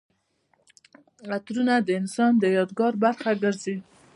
عطرونه د انسان د یادګار برخه ګرځي.